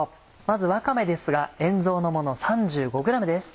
まずわかめですが塩蔵のもの３５ｇです。